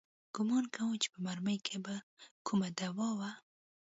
ګومان کوم چې په مرمۍ کښې به کومه دوا وه.